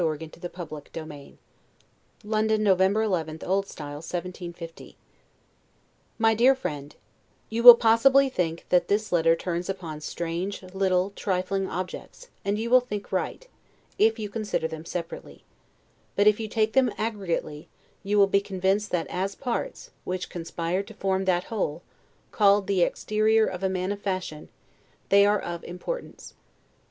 Adieu for this time, my dear child. Yours tenderly. LETTER CXXIII LONDON, November 12, O. S. 1750 MY DEAR FRIEND: You will possibly think, that this letter turns upon strange, little, trifling objects; and you will think right, if you consider them separately; but if you take them aggregately, you will be convinced that as parts, which conspire to form that whole, called the exterior of a man of fashion, they are of importance.